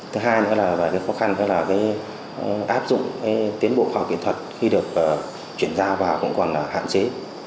thứ hai nữa là cái khó khăn đó là cái áp dụng cái tiến bộ khóa kiện thuật khi được chuyển giao vào cũng còn hạn chế